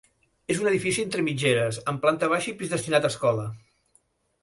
És un edifici entre mitgeres, amb planta baixa i pis destinat a escola.